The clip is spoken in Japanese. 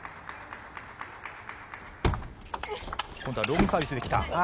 今度はロングサービスで来た。